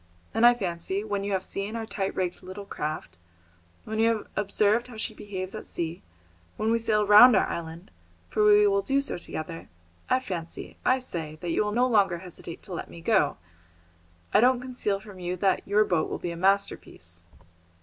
And I fancy, when you have seen our tight rigged little craft, when you have observed how she behaves at sea, when we sail round our island, for we will do so together I fancy, I say, that you will no longer hesitate to let me go. I don't conceal from you that your boat will be a masterpiece."